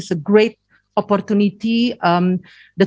saya pikir ini adalah kesempatan yang bagus